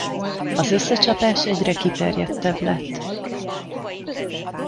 Az összecsapás egyre kiterjedtebb lett.